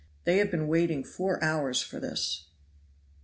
They have been waiting four hours for this."